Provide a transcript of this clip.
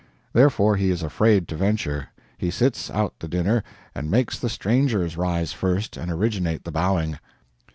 Therefore he is afraid to venture. He sits out the dinner, and makes the strangers rise first and originate the bowing.